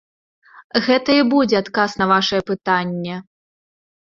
Гэта і будзе адказ на вашае пытанне.